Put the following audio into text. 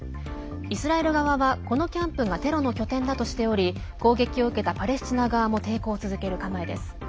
イスラエル側はこのキャンプがテロの拠点だとしており攻撃を受けたパレスチナ側も抵抗を続ける構えです。